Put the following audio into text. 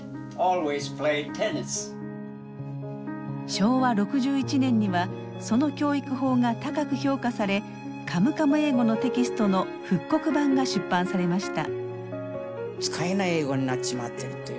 昭和６１年にはその教育法が高く評価され「カムカム英語」のテキストの復刻版が出版されました。